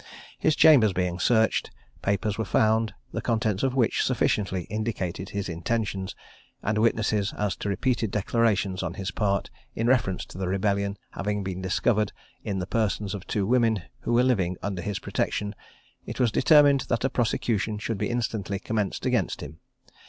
His chambers being searched, papers were found, the contents of which sufficiently indicated his intentions, and witnesses as to repeated declarations on his part, in reference to the rebellion, having been discovered in the persons of two women, who were living under his protection, it was determined that a prosecution should be instantly commenced against him.